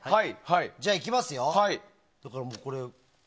じゃあ行きますよ。